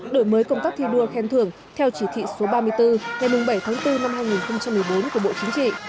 đổi mới công tác thi đua khen thưởng theo chỉ thị số ba mươi bốn ngày bảy tháng bốn năm hai nghìn một mươi bốn của bộ chính trị